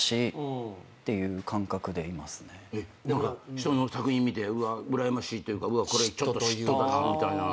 人の作品見てうらやましいというかこれちょっと嫉妬だなみたいな。